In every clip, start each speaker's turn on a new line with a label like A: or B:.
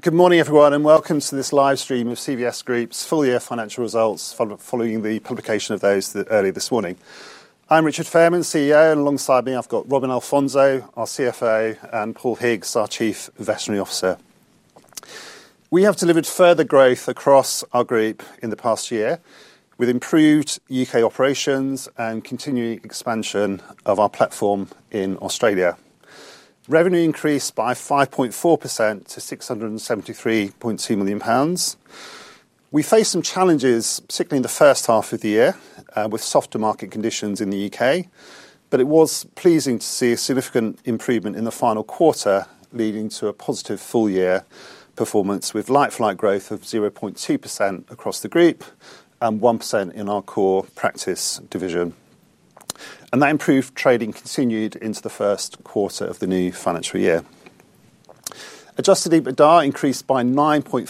A: Good morning everyone, and welcome to this live stream of CVS Group's full-year financial results following the publication of those earlier this morning. I'm Richard Fairman, CEO, and alongside me, I've got Robin Alfonso, our CFO, and Paul Higgs, our Chief Veterinary Officer. We have delivered further growth across our group in the past year, with improved U.K. operations and continuing expansion of our platform in Australia. Revenue increased by 5.4% to 673.2 million pounds. We faced some challenges, particularly in the first half of the year, with softer market conditions in the U.K., but it was pleasing to see a significant improvement in the final quarter, leading to a positive full-year performance with like-for-like growth of 0.2% across the group and 1% in our core practice division. That improved trading continued into the first quarter of the new financial year. Adjusted EBITDA increased by 9.4%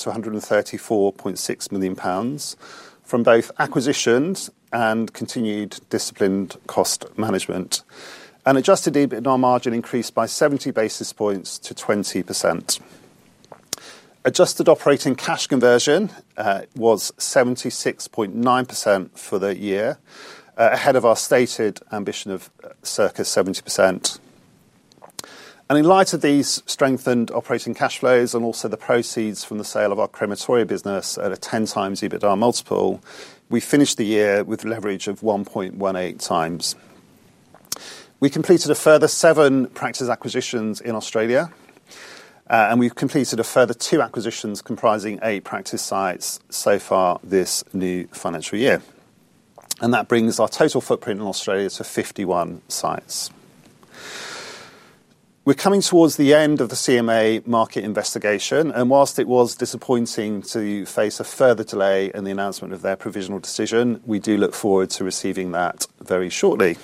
A: to 134.6 million pounds from both acquisitions and continued disciplined cost management. Adjusted EBITDA margin increased by 70 basis points to 20%. Adjusted operating cash conversion was 76.9% for the year, ahead of our stated ambition of circa 70%. In light of these strengthened operating cash flows and also the proceeds from the sale of our crematory business at a 10x EBITDA multiple, we finished the year with a leverage of 1.18x. We completed a further seven practice acquisitions in Australia, and we've completed a further two acquisitions comprising eight practice sites so far this new financial year. That brings our total footprint in Australia to 51 sites. We're coming towards the end of the CMA market investigation, and whilst it was disappointing to face a further delay in the announcement of their provisional decision, we do look forward to receiving that very shortly.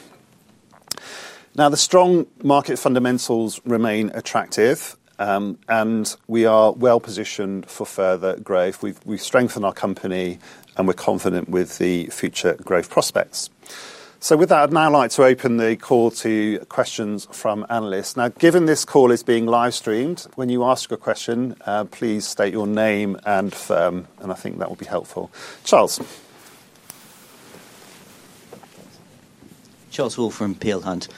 A: The strong market fundamentals remain attractive, and we are well positioned for further growth. We've strengthened our company, and we're confident with the future growth prospects. With that, I'd now like to open the call to questions from analysts. Given this call is being live streamed, when you ask a question, please state your name and firm, and I think that will be helpful. Charles?
B: Charles Hall from Peel Hunt.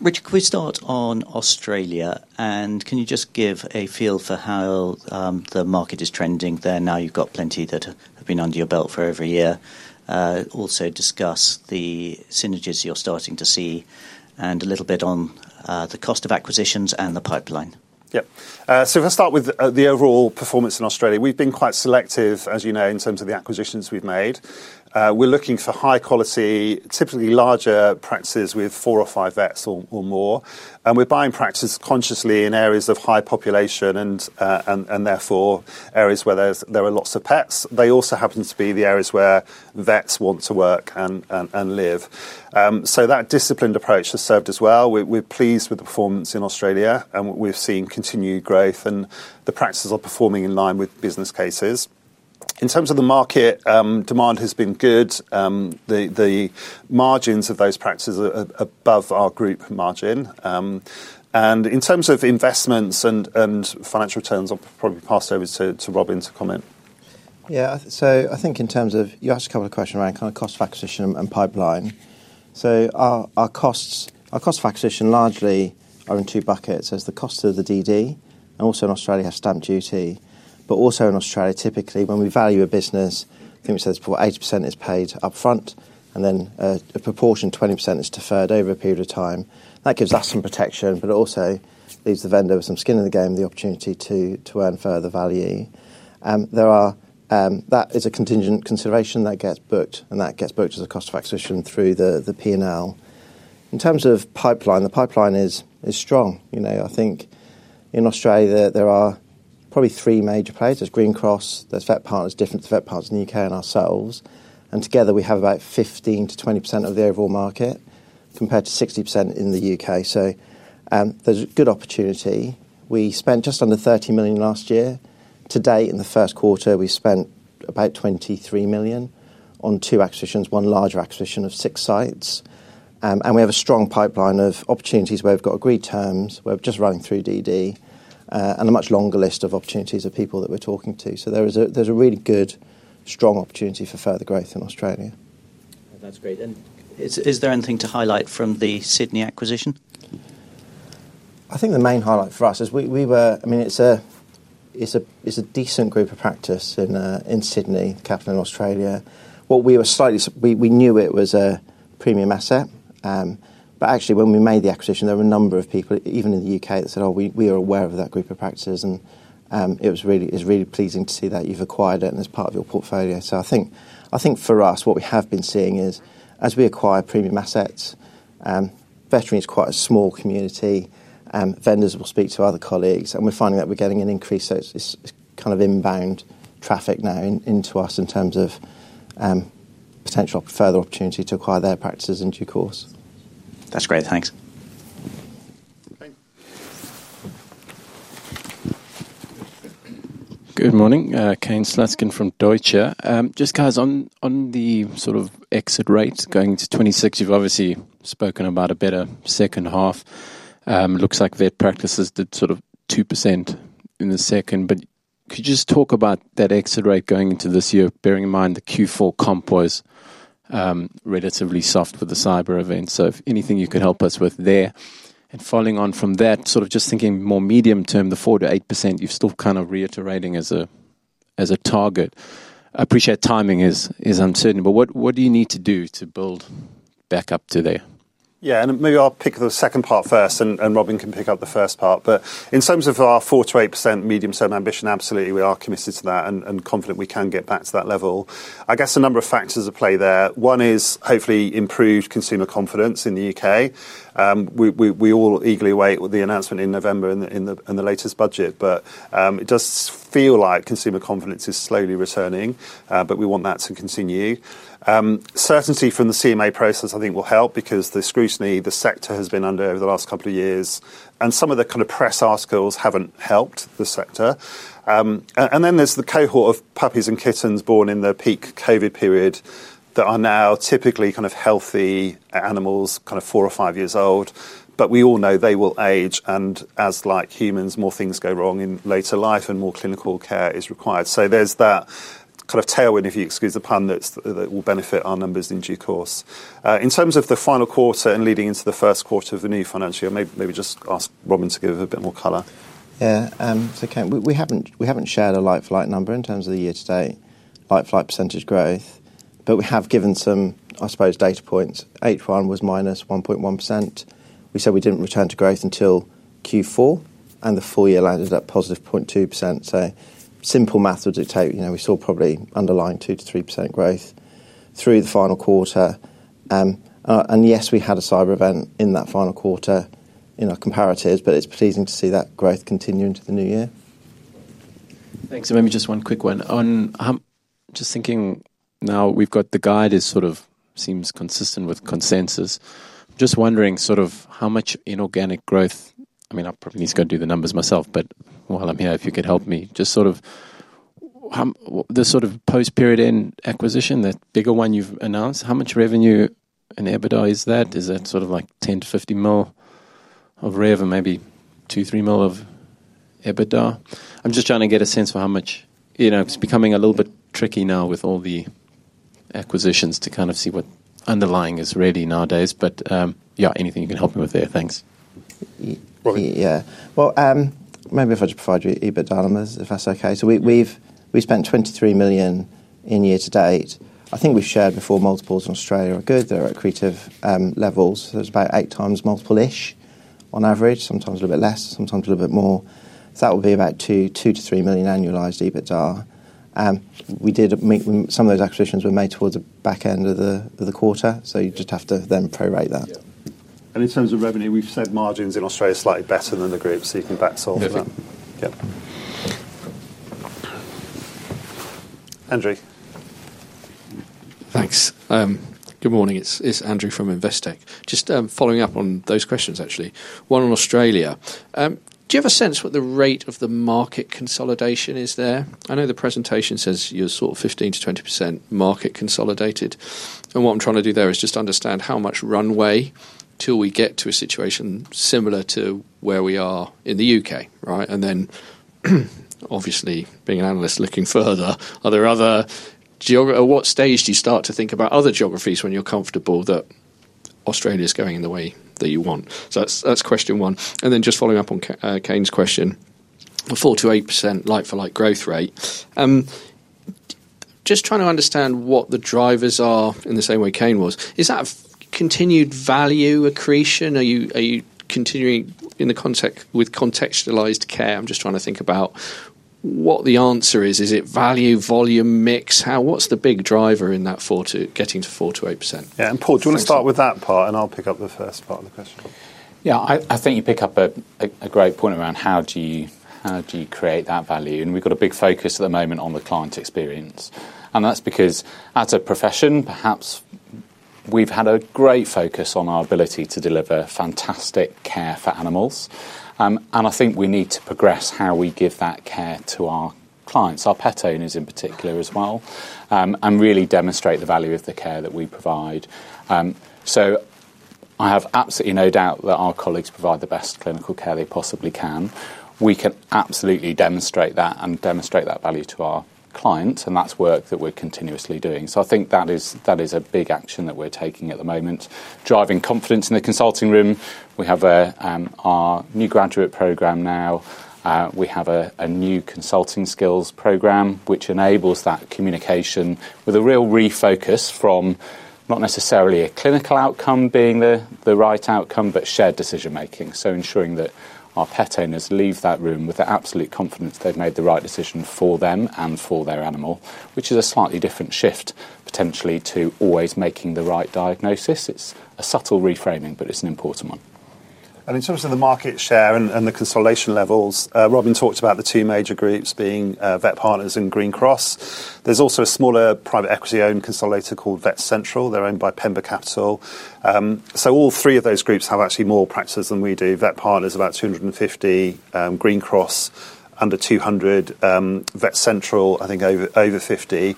B: Rich, could we start on Australia? Can you just give a feel for how the market is trending there now? You've got plenty that have been under your belt for over a year. Also discuss the synergies you're starting to see and a little bit on the cost of acquisitions and the pipeline.
A: Yep. Let's start with the overall performance in Australia. We've been quite selective, as you know, in terms of the acquisitions we've made. We're looking for high quality, typically larger practices with four or five vets or more. We're buying practices consciously in areas of high population and therefore areas where there are lots of pets. They also happen to be the areas where vets want to work and live. That disciplined approach has served us well. We're pleased with the performance in Australia, and we've seen continued growth, and the practices are performing in line with business cases. In terms of the market, demand has been good. The margins of those practices are above our group margin. In terms of investments and financial returns, I'll probably pass it over to Robin to comment.
C: Yeah, so I think in terms of you asked a couple of questions around kind of cost of acquisition and pipeline. Our cost of acquisition largely are in two buckets. There's the cost of the DD, and also in Australia we have stamp duty. Also in Australia, typically when we value a business, I think we said it's probably 80% is paid upfront, and then a proportion of 20% is deferred over a period of time. That gives us some protection, but it also leaves the vendor with some skin in the game and the opportunity to earn further value. There is a contingent consideration that gets booked, and that gets booked as a cost of acquisition through the P&L. In terms of pipeline, the pipeline is strong. I think in Australia there are probably three major players. There's Greencross, there's VetPartners, [different to VetPartners] in the U.K., and ourselves. Together we have about 15%-20% of the overall market compared to 60% in the U.K. There's a good opportunity. We spent just under 30 million last year. To date, in the first quarter, we spent about 23 million on two acquisitions, one larger acquisition of six sites. We have a strong pipeline of opportunities where we've got agreed terms, where we're just running through DD, and a much longer list of opportunities of people that we're talking to. There's a really good, strong opportunity for further growth in Australia.
B: That's great. Is there anything to highlight from the Sydney acquisition?
C: I think the main highlight for us is we were, I mean, it's a decent group of practice in Sydney, capital in Australia. We knew it was a premium asset. Actually, when we made the acquisition, there were a number of people, even in the U.K., that said, oh, we are aware of that group of practices. It's really pleasing to see that you've acquired it as part of your portfolio. I think for us, what we have been seeing is as we acquire premium assets, veterinary is quite a small community. Vendors will speak to other colleagues, and we're finding that we're getting an increase, so it's kind of inbound traffic now into us in terms of potential further opportunity to acquire their practices in due course.
B: That's great, thanks.
D: Good morning, Kane Slutzkin from Deutsche. Just guys on the sort of exit rates going into 2026, you've obviously spoken about a better second half. It looks like veterinary practices did sort of 2% in the second, but could you just talk about that exit rate going into this year, bearing in mind the Q4 comp was relatively soft with the cyber events? If anything you could help us with there. Following on from that, just thinking more medium term, the 4%-8% you're still kind of reiterating as a target. I appreciate timing is uncertain, but what do you need to do to build back up to there?
A: Yeah, and maybe I'll pick the second part first and Robin can pick up the first part. In terms of our 4%-8% medium term ambition, absolutely, we are committed to that and confident we can get back to that level. I guess a number of factors at play there. One is hopefully improved consumer confidence in the U.K. We all eagerly await the announcement in November and the latest budget, but it does feel like consumer confidence is slowly returning, but we want that to continue. Certainty from the CMA process, I think, will help because the scrutiny the sector has been under over the last couple of years, and some of the kind of press articles haven't helped the sector. There's the cohort of puppies and kittens born in the peak COVID period that are now typically kind of healthy animals, kind of four or five years old, but we all know they will age, and as like humans, more things go wrong in later life and more clinical care is required. There's that kind of tailwind, if you excuse the pun, that will benefit our numbers in due course. In terms of the final quarter and leading into the first quarter of the new financial year, maybe just ask Robin to give a bit more color.
C: Yeah, Kane, we haven't shared a like-for-like number in terms of the year-to-date like-for-like percentage growth, but we have given some, I suppose, data points. H1 was -1.1%. We said we didn't return to growth until Q4, and the full year landed at +0.2%. Simple math will dictate, you know, we saw probably underlying 2%-3% growth through the final quarter. Yes, we had a cyber event in that final quarter in our comparatives, but it's pleasing to see that growth continue into the new year.
D: Thanks. Maybe just one quick one. I'm just thinking now we've got the guide, it sort of seems consistent with consensus. Just wondering how much inorganic growth, I mean, I probably need to go do the numbers myself, but while I'm here, if you could help me, just the sort of post-period acquisition, the bigger one you've announced, how much revenue and EBITDA is that? Is that like 10 million-50 million of revenue and maybe 2 million, 3 million of EBITDA? I'm just trying to get a sense for how much, you know, it's becoming a little bit tricky now with all the acquisitions to kind of see what underlying is really nowadays, but yeah, anything you can help me with there, thanks.
C: Maybe if I just provide you EBITDA numbers, if that's okay. We've spent 23 million in year-to-date. I think we've shared before multiples in Australia are good. They're at accretive levels. There's about 8x multiple-ish on average, sometimes a little bit less, sometimes a little bit more. That would be about 2 million-3 million annualized EBITDA. We did make some of those acquisitions towards the back end of the quarter, so you just have to then prorate that.
A: In terms of revenue, we've said margins in Australia are slightly better than the group, so we think that solves that.
C: Yep.
A: Andre? Thanks. Good morning, it's Andrew from InvesTech. Just following up on those questions, actually. One in Australia. Do you have a sense what the rate of the market consolidation is there? I know the presentation says you're sort of 15%-20% market consolidated. What I'm trying to do there is just understand how much runway till we get to a situation similar to where we are in the U.K., right? Obviously, being an analyst looking further, at what stage do you start to think about other geographies when you're comfortable that Australia is going in the way that you want? That's question one. Just following up on Kane's question, the 4%-8% like-for-like growth rate. Just trying to understand what the drivers are in the same way Cain was. Is that a continued value accretion? Are you continuing in the context with contextualized care? I'm just trying to think about what the answer is. Is it value, volume, mix? What's the big driver in that getting to 4%-8%? Yeah, Paul, do you want to start with that part? I'll pick up the first part of the question.
E: I think you pick up a great point around how do you create that value? We've got a big focus at the moment on the client experience. That's because as a profession, perhaps we've had a great focus on our ability to deliver fantastic care for animals. I think we need to progress how we give that care to our clients, our pet owners in particular as well, and really demonstrate the value of the care that we provide. I have absolutely no doubt that our colleagues provide the best clinical care they possibly can. We can absolutely demonstrate that and demonstrate that value to our clients, and that's work that we're continuously doing. I think that is a big action that we're taking at the moment, driving confidence in the consulting room. We have our new graduate program now. We have a new consulting skills program, which enables that communication with a real refocus from not necessarily a clinical outcome being the right outcome, but shared decision making. Ensuring that our pet owners leave that room with the absolute confidence they've made the right decision for them and for their animal, which is a slightly different shift potentially to always making the right diagnosis. It's a subtle reframing, but it's an important one.
A: In terms of the market share and the consolidation levels, Robin talked about the two major groups being VetPartners and Greencross. There's also a smaller private equity-owned consolidator called Vets Central. They're owned by Pemba Capital. All three of those groups have actually more practices than we do. VetPartners about 250, Greencross under 200, Vets Central I think over 50.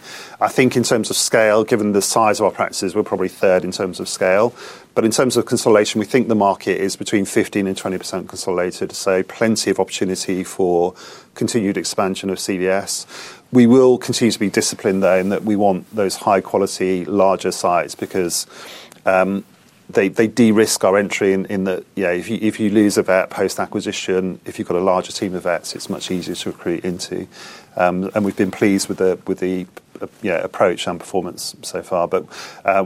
A: I think in terms of scale, given the size of our practices, we're probably third in terms of scale. In terms of consolidation, we think the market is between 15% and 20% consolidated, so plenty of opportunity for continued expansion of CVS. We will continue to be disciplined though in that we want those high quality, larger sites because they de-risk our entry in that, yeah, if you lose a vet post-acquisition, if you've got a larger team of vets, it's much easier to recruit into. We've been pleased with the approach and performance so far, but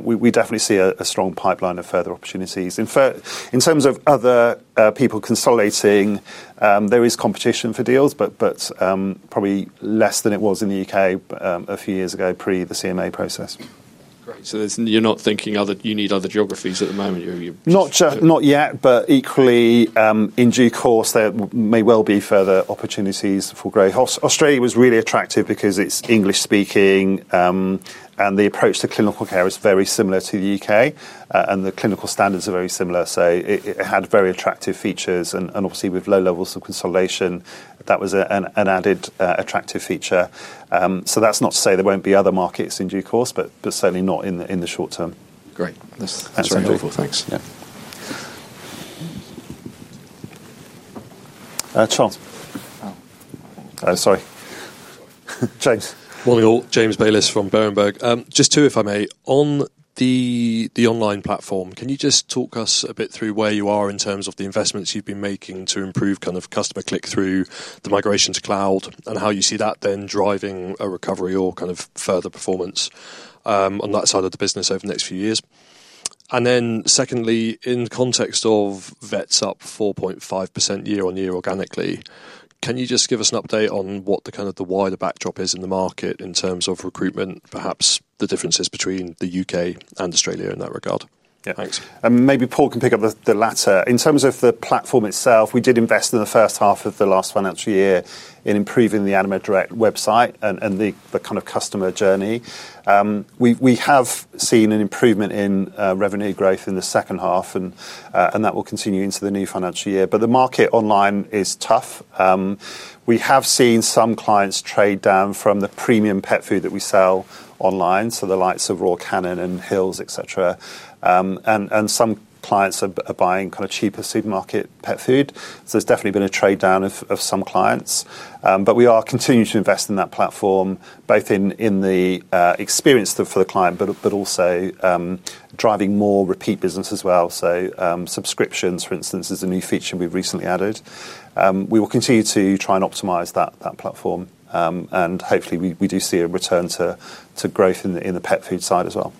A: we definitely see a strong pipeline of further opportunities. In terms of other people consolidating, there is competition for deals, but probably less than it was in the U.K. a few years ago pre the CMA process. You're not thinking you need other geographies at the moment? Not yet, but equally in due course there may well be further opportunities for growth. Australia was really attractive because it's English speaking and the approach to clinical care is very similar to the U.K. and the clinical standards are very similar, so it had very attractive features, and obviously with low levels of consolidation that was an added attractive feature. That's not to say there won't be other markets in due course, but certainly not in the short term. Great, that's very helpful, thanks. Yeah. Charles? Sorry. James?
F: Morning all, James Bayless from Berenberg. Just two if I may. On the online platform, can you just talk us a bit through where you are in terms of the investments you've been making to improve kind of customer click-through, the migration to cloud, and how you see that then driving a recovery or kind of further performance on that side of the business over the next few years? Secondly, in the context of vets up 4.5% year-on-year organically, can you just give us an update on what the kind of the wider backdrop is in the market in terms of recruitment, perhaps the differences between the U.K. and Australia in that regard?
A: Yeah, thanks. Maybe Paul can pick up the latter. In terms of the platform itself, we did invest in the first half of the last financial year in improving the AnimateDirect website and the kind of customer journey. We have seen an improvement in revenue growth in the second half, and that will continue into the new financial year. The market online is tough. We have seen some clients trade down from the premium pet food that we sell online, so the likes of Royal Canin and Hill's, etc. Some clients are buying kind of cheaper supermarket pet food. There has definitely been a trade down of some clients. We are continuing to invest in that platform, both in the experience for the client and also driving more repeat business as well. Subscriptions, for instance, is a new feature we've recently added. We will continue to try and optimize that platform. Hopefully we do see a return to growth in the pet food side as well.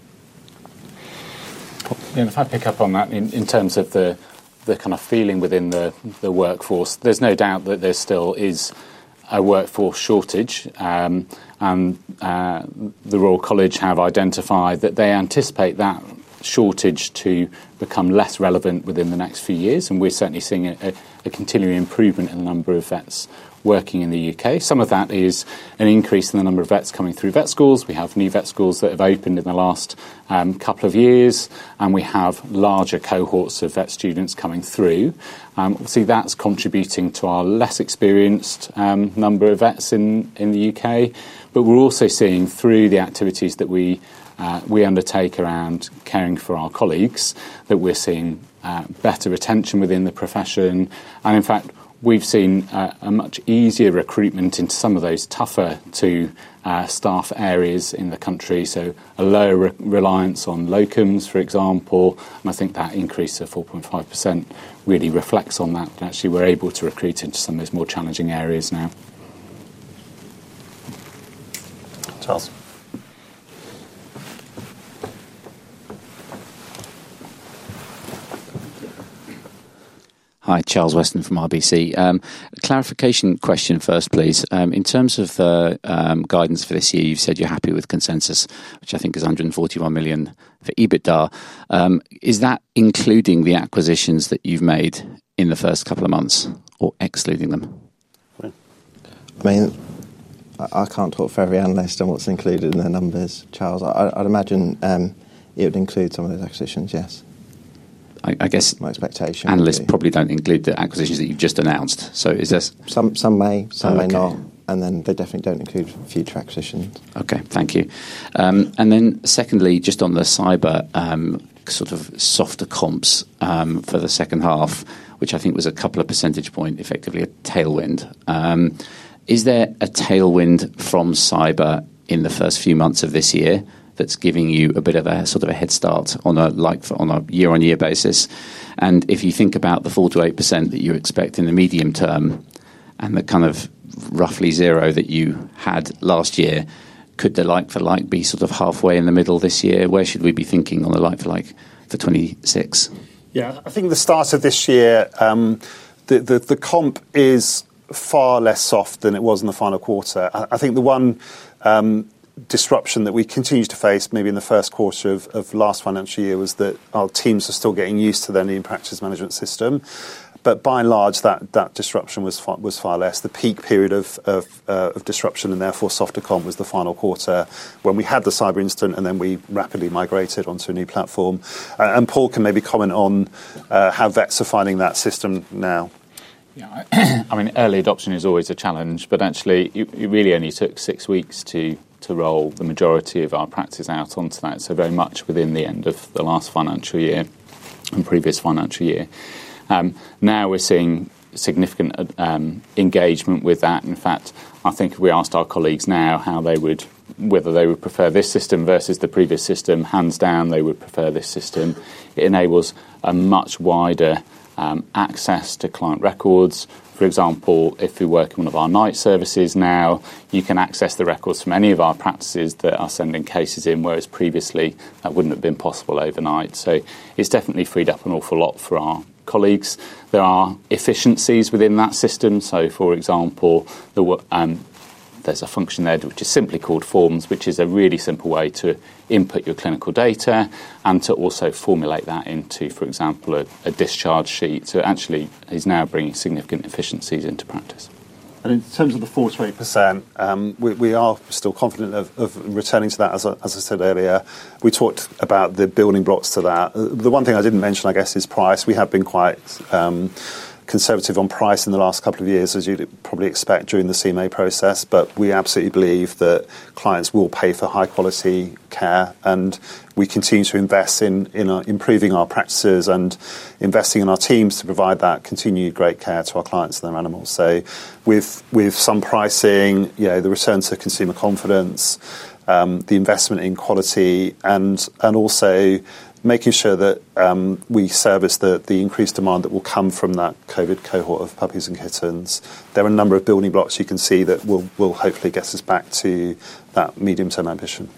E: Yeah, and if I pick up on that in terms of the kind of feeling within the workforce, there's no doubt that there still is a workforce shortage. The Royal College have identified that they anticipate that shortage to become less relevant within the next few years. We're certainly seeing a continuing improvement in the number of vets working in the U.K. Some of that is an increase in the number of vets coming through vet schools. We have new vet schools that have opened in the last couple of years, and we have larger cohorts of vet students coming through. That's contributing to our less experienced number of vets in the U.K. We're also seeing through the activities that we undertake around caring for our colleagues that we're seeing better retention within the profession. In fact, we've seen a much easier recruitment into some of those tougher to staff areas in the country, so a lower reliance on locums, for example. I think that increase of 4.5% really reflects on that. Actually, we're able to recruit into some of those more challenging areas now. Charles?
G: Hi, Charles Weston from RBC. Clarification question first, please. In terms of guidance for this year, you said you're happy with consensus, which I think is 141 million for EBITDA. Is that including the acquisitions that you've made in the first couple of months or excluding them?
C: I mean, I can't talk for every analyst on what's included in the numbers, Charles. I'd imagine it would include some of those acquisitions, yes. I guess my expectation.
G: [Unless they] probably don't include the acquisitions that you've just announced. Is this?
C: Some may, some may not. They definitely don't include future acquisitions.
G: Okay, thank you. Just on the cyber sort of softer comps for the second half, which I think was a couple of percentage points, effectively a tailwind. Is there a tailwind from cyber in the first few months of this year that's giving you a bit of a sort of a head start on a year-on-year basis? If you think about the 4%-8% that you expect in the medium term and the kind of roughly zero that you had last year, could the like-for-like be sort of halfway in the middle this year? Where should we be thinking on the like-for-like to 2026?
A: Yeah, I think the start of this year, the comp is far less soft than it was in the final quarter. I think the one disruption that we continued to face maybe in the first quarter of last financial year was that our teams are still getting used to their new practice management system. By and large, that disruption was far less. The peak period of disruption and therefore softer comp was the final quarter when we had the cyber incident, and we rapidly migrated onto a new platform. Paul can maybe comment on how vets are finding that system now.
C: Yeah, I mean, early adoption is always a challenge, but actually it really only took six weeks to roll the majority of our practice out onto that. Very much within the end of the last financial year and previous financial year. Now we're seeing significant engagement with that. In fact, I think if we asked our colleagues now whether they would prefer this system versus the previous system, hands down, they would prefer this system. It enables a much wider access to client records. For example, if we work in one of our night services now, you can access the records from any of our practices that are sending cases in, whereas previously that wouldn't have been possible overnight. It's definitely freed up an awful lot for our colleagues. There are efficiencies within that system. For example, there's a function there which is simply called Forms, which is a really simple way to input your clinical data and to also formulate that into, for example, a discharge sheet. It actually is now bringing significant efficiencies into practice.
A: In terms of the 4%-8%, we are still confident of returning to that, as I said earlier. We talked about the building blocks to that. The one thing I didn't mention, I guess, is price. We have been quite conservative on price in the last couple of years, as you'd probably expect during the CMA process, but we absolutely believe that clients will pay for high quality care, and we continue to invest in improving our practices and investing in our teams to provide that continued great care to our clients and their animals. With some pricing, the return to consumer confidence, the investment in quality, and also making sure that we service the increased demand that will come from that post-COVID pet cohort of puppies and kittens, there are a number of building blocks you can see that will hopefully get us back to that medium-term ambition.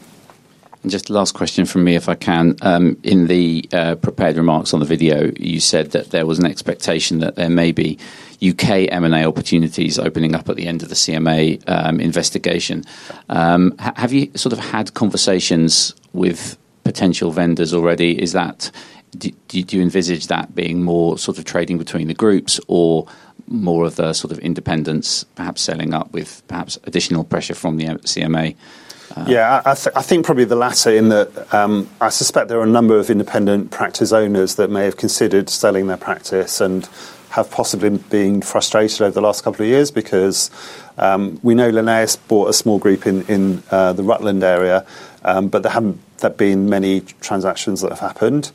G: Just the last question from me, if I can. In the prepared remarks on the video, you said that there was an expectation that there may be U.K. M&A opportunities opening up at the end of the CMA investigation. Have you had conversations with potential vendors already? Do you envisage that being more trading between the groups or more of independents, perhaps selling up with additional pressure from the CMA?
A: Yeah, I think probably the latter in that I suspect there are a number of independent practice owners that may have considered selling their practice and have possibly been frustrated over the last couple of years because we know Linnaeus bought a small group in the Rutland area, but there haven't been many transactions that have happened.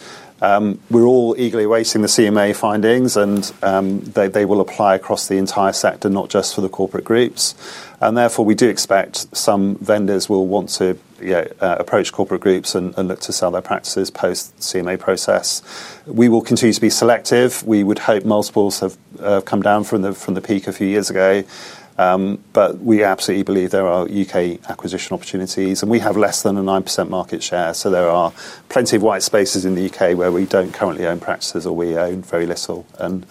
A: We're all eagerly awaiting the CMA findings, and they will apply across the entire sector, not just for the corporate groups. Therefore, we do expect some vendors will want to approach corporate groups and look to sell their practices post-CMA process. We will continue to be selective. We would hope multiples have come down from the peak a few years ago, but we absolutely believe there are U.K. acquisition opportunities, and we have less than a 9% market share. There are plenty of white spaces in the U.K. where we don't currently own practices or we own very little, and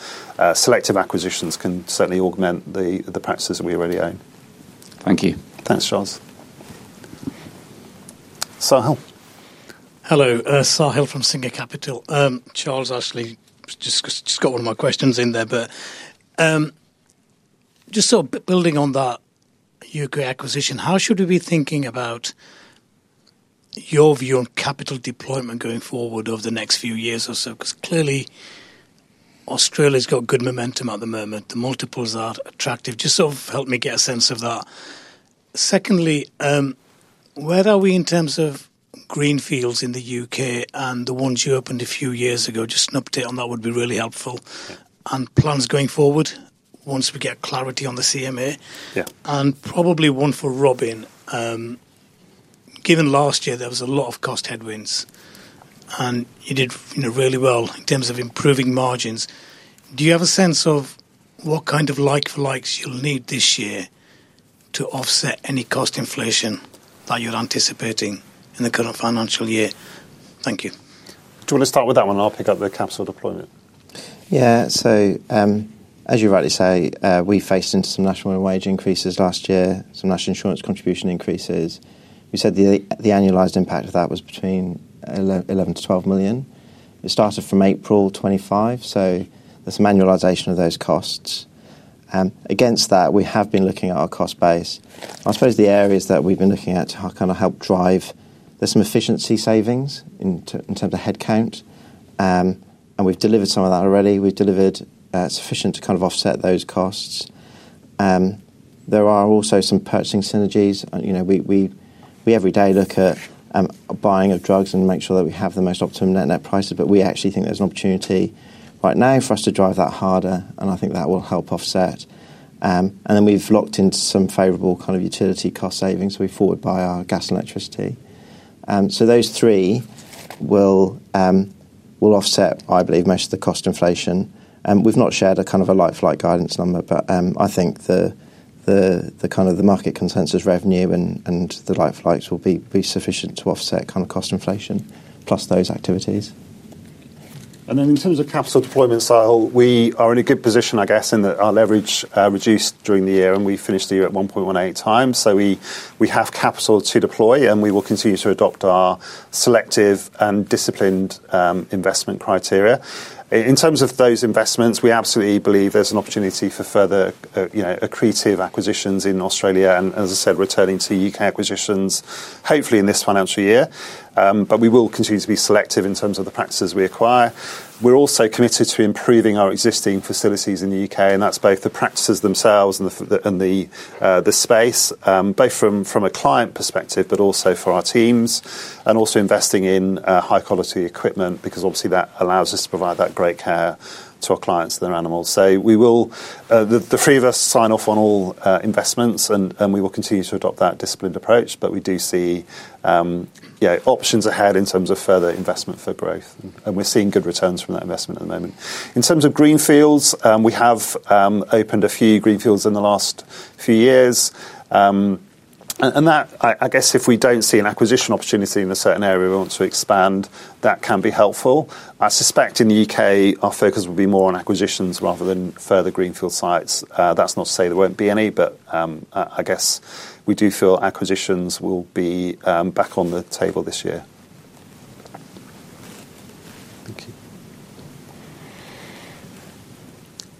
A: selective acquisitions can certainly augment the practices that we already own.
G: Thank you.
A: Thanks, Charles. Sahil? Hello, Sahil from Singer Capital. Charles actually just got one of my questions in there, but just sort of building on that U.K. acquisition, how should we be thinking about your view on capital deployment going forward over the next few years or so? Because clearly, Australia's got good momentum at the moment. The multiples are attractive. Just sort of help me get a sense of that. Secondly, where are we in terms of greenfields in the U.K. and the ones you opened a few years ago? Just an update on that would be really helpful. Plans going forward once we get clarity on the CMA. Probably one for Robin. Given last year, there was a lot of cost headwinds, and you did really well in terms of improving margins. Do you have a sense of what kind of like-for-likes you'll need this year to offset any cost inflation that you're anticipating in the current financial year? Thank you. Do you want to start with that one, and I'll pick up the capital deployment?
C: Yeah, so as you rightly say, we faced into some national wage increases last year, some national insurance contribution increases. We said the annualized impact of that was between 11 million-12 million. It started from April 2025, so there's some annualization of those costs. Against that, we have been looking at our cost base. I suppose the areas that we've been looking at to kind of help drive, there's some efficiency savings in terms of headcount, and we've delivered some of that already. We've delivered sufficient to kind of offset those costs. There are also some purchasing synergies. You know, we every day look at buying of drugs and make sure that we have the most optimum net-net price, but we actually think there's an opportunity right now for us to drive that harder, and I think that will help offset. We've locked into some favorable kind of utility cost savings, so we forward buy our gas and electricity. Those three will offset, I believe, most of the cost inflation. We've not shared a kind of a like-for-like guidance number, but I think the kind of the market consensus revenue and the like-for-likes will be sufficient to offset kind of cost inflation, plus those activities.
A: In terms of capital deployment, Sahil, we are in a good position, I guess, in that our leverage reduced during the year, and we finished the year at 1.18x. We have capital to deploy, and we will continue to adopt our selective and disciplined investment criteria. In terms of those investments, we absolutely believe there's an opportunity for further accretive acquisitions in Australia, and as I said, returning to U.K. acquisitions, hopefully in this financial year, but we will continue to be selective in terms of the practices we acquire. We're also committed to improving our existing facilities in the U.K., and that's both the practices themselves and the space, both from a client perspective, but also for our teams, and also investing in high-quality equipment because obviously that allows us to provide that great care to our clients and their animals. The three of us sign off on all investments, and we will continue to adopt that disciplined approach, but we do see options ahead in terms of further investment for growth, and we're seeing good returns from that investment at the moment. In terms of greenfields, we have opened a few greenfields in the last few years, and that, I guess, if we don't see an acquisition opportunity in a certain area we want to expand, that can be helpful. I suspect in the U.K., our focus will be more on acquisitions rather than further greenfield sites. That's not to say there won't be any, but I guess we do feel acquisitions will be back on the table this year. Thank you.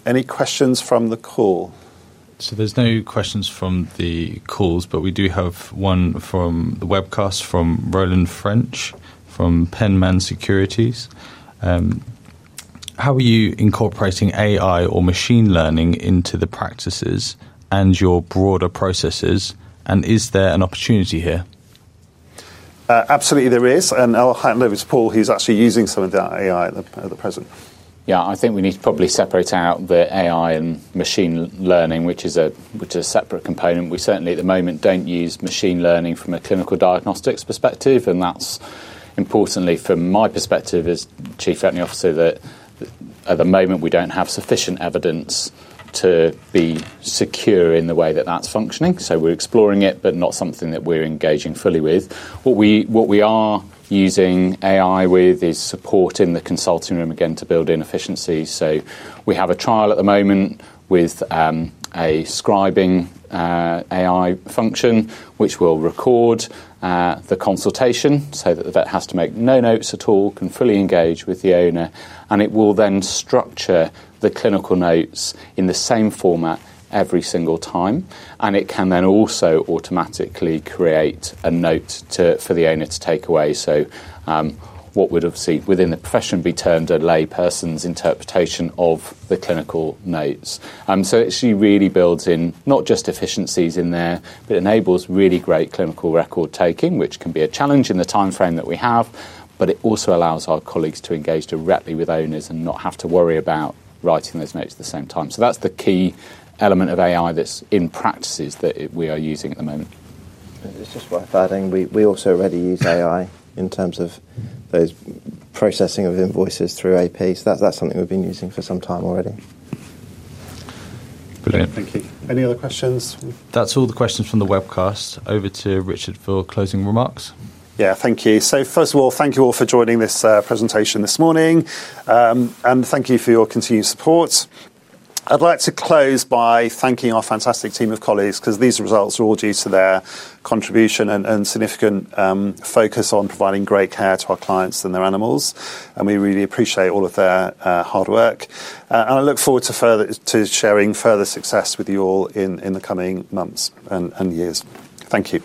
A: Any questions from the call?
H: There are no questions from the calls, but we do have one from the webcast from Roland French from Penman Securities. How are you incorporating AI or machine learning into the practices and your broader processes, and is there an opportunity here?
A: Absolutely, there is, and our high leverage, Paul, he's actually using some of that AI at the present.
E: Yeah, I think we need to probably separate out the AI and machine learning, which is a separate component. We certainly at the moment don't use machine learning from a clinical diagnostics perspective, and that's importantly from my perspective as Chief Veterinary Officer that at the moment we don't have sufficient evidence to be secure in the way that that's functioning. We are exploring it, but not something that we're engaging fully with. What we are using AI with is support in the consulting room again to build in efficiencies. We have a trial at the moment with a scribing AI function which will record the consultation so that the vet has to make no notes at all, can fully engage with the owner, and it will then structure the clinical notes in the same format every single time. It can then also automatically create a note for the owner to take away. What would obviously within the profession be termed a layperson's interpretation of the clinical notes. It actually really builds in not just efficiencies in there, but enables really great clinical record taking, which can be a challenge in the timeframe that we have. It also allows our colleagues to engage directly with owners and not have to worry about writing those notes at the same time. That's the key element of AI that's in practices that we are using at the moment.
C: It's just worth adding we also already use AI in terms of the processing of invoices through APs. That's something we've been using for some time already.
A: Brilliant, thank you. Any other questions?
H: That's all the questions from the webcast. Over to Richard for closing remarks.
A: Thank you. First of all, thank you all for joining this presentation this morning, and thank you for your continued support. I'd like to close by thanking our fantastic team of colleagues because these results are all due to their contribution and significant focus on providing great care to our clients and their animals. We really appreciate all of their hard work. I look forward to sharing further success with you all in the coming months and years. Thank you.